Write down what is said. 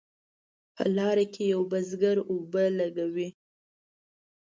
په لار کې یو بزګر اوبه لګوي.